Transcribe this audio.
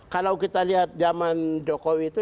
kalau kita lihat zaman jokowi itu